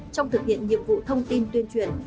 trong thực hiện nhiệm vụ thông tin tuyên truyền